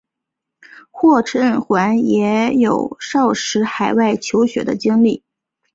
霍震寰也有少时海外求学的经历。